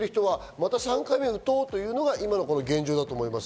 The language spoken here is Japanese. また３回目を打とうというのが現状だと思います。